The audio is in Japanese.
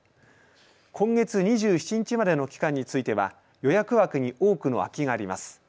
今月２７日までの期間については予約枠に多くの空きがあります。